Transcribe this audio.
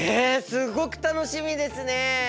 すごく楽しみですね！